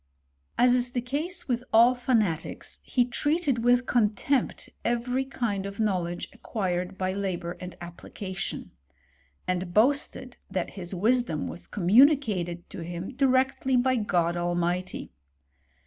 As is the case with all fanatics, he treated with con tempt every kind of knowledge acquired by labour and application ; and boasted that his wisdom was communicated to him directly by God Almighty.